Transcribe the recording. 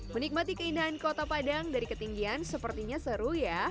menikmati keindahan kota padang dari ketinggian sepertinya seru ya